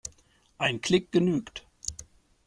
Ein Klick genügt.